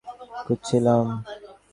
আমি আমার সোনালী ঘড়িটা খুঁজছিলাম।